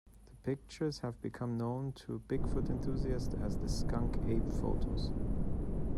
The pictures have become known to Bigfoot enthusiasts as the "skunk ape photos".